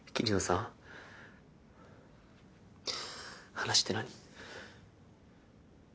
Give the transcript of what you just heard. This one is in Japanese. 話って何？